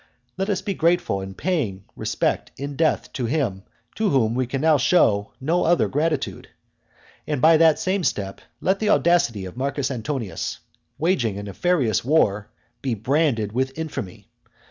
Let us be grateful in paying respect in death to him to whom we can now show no other gratitude. And by that same step let the audacity of Marcus Antonius, waging a nefarious war, be branded with infamy.